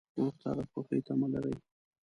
ورور ته د خوښۍ تمه لرې.